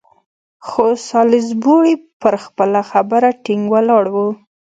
خو سالیزبوري پر خپله خبره ټینګ ولاړ وو.